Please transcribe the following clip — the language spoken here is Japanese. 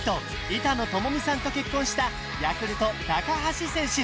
板野友美さんと結婚したヤクルト・高橋選手